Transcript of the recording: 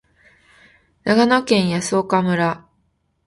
長野県泰阜村